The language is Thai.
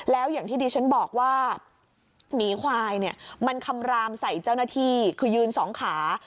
แล้วอย่างที่ดิฉันบอกว่าหมีควายเนี่ยมันคำรามใส่เจ้าหน้าที่คือยืนสองขา